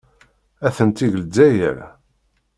Atenti deg Lezzayer.